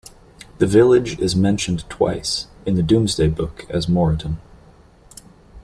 The village is mentioned twice in the "Domesday Book" as "Moretun".